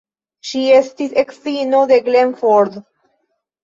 Ŝi estis edzino de Glenn Ford.